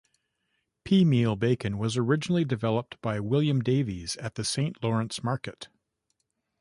Peameal bacon was originally developed by William Davies at the Saint Lawrence Market.